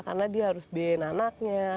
karena dia harus biayain anaknya